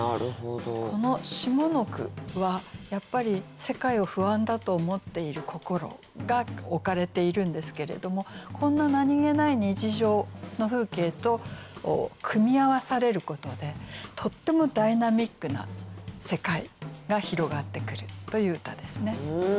この下の句はやっぱり世界を不安だと思っている心が置かれているんですけれどもこんな何気ない日常の風景と組み合わされることでとってもダイナミックな世界が広がってくるという歌ですね。